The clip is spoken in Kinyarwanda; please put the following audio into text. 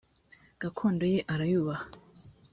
gakondo ye arayubaha.